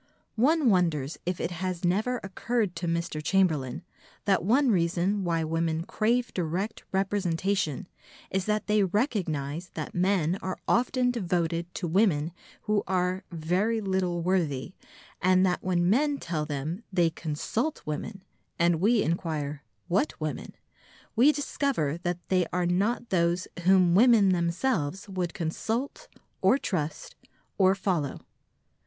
One wonders if it has never occurred to Mr. Chamberlain that one reason why women crave direct representation is that they recognise that men are often devoted to women who are "very little worthy," and that when men tell them they "consult women," and we inquire "what women?" we discover that they are not those whom women themselves would consult or trust or follow.